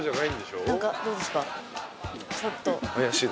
はい。